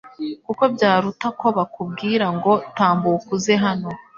kuko byaruta ko bakubwira ngo «Tambuka uze hano